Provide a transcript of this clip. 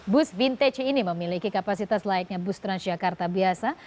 bus vintage ini memiliki kapasitas layaknya bus transjakarta biasa